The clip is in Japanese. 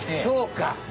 そうか。